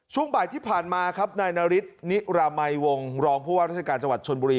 ช่วงบ่ายที่ผ่านมาครับนายนาริสนิรามัยวงรองผู้ว่าราชการจังหวัดชนบุรี